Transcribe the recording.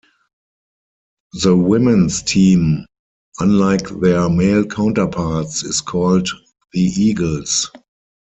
The women's team unlike their male counterparts is called the 'Eagles'.